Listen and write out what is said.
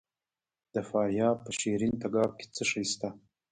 د فاریاب په شیرین تګاب کې څه شی شته؟